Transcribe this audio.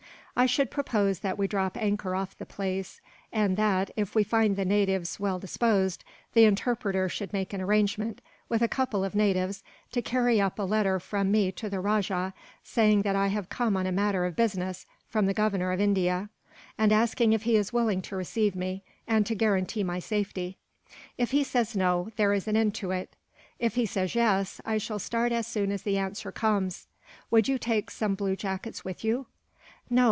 "I should propose that we drop anchor off the place; and that, if we find the natives well disposed, the interpreter should make an arrangement, with a couple of natives, to carry up a letter from me to the rajah, saying that I have come on a matter of business from the Governor of India; and asking if he is willing to receive me, and to guarantee my safety. If he says no, there is an end to it. If he says yes, I shall start as soon as the answer comes." "Would you take some blue jackets with you?" "No.